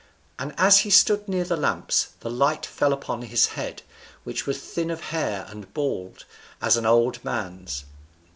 And as he stood near the lamps, the light fell upon his head, which was thin of hair and bald, as an old man's.